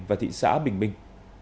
và thị xã bình